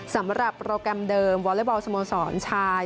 สำหรับโปรแกรมเดิมวอเล็กบอลสโมสรชาย